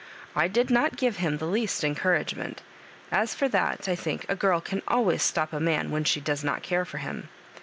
I did not give him the least encou ragement As for that, I think, a girl can always stop a man when she does not care for him.